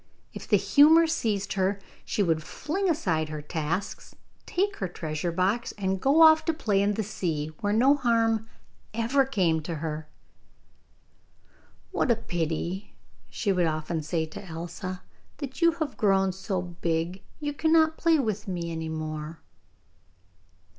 If the humour seized her, she would fling aside her tasks, take her treasure box, and go off to play in the sea, where no harm ever came to her. 'What a pity,' she would often say to Elsa, 'that you have grown so big, you cannot play with me any more.